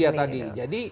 nah itu dia tadi